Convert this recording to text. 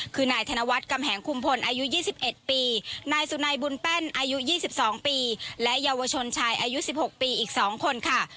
คือนายธนวัฒน์กำแหงคุมพลอายุ๒๑ปีนายสุนัยบุญแป้นอายุ๒๒ปีและเยาวชนชายอายุ๑๖ปีอีก๒คนค่ะ